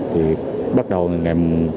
thì bắt đầu ngày mai